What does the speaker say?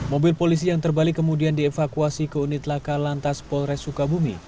mobil polisi yang terbalik kemudian dievakuasi ke unit laka lantas polres sukabumi